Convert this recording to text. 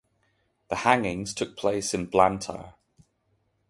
The hangings took place in Blantyre.